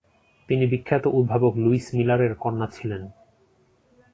তিনি বিখ্যাত উদ্ভাবক লুইস মিলারের কন্যা ছিলেন।